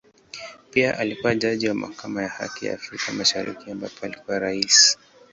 Pia alikua jaji wa Mahakama ya Haki ya Afrika Mashariki ambapo alikuwa Rais.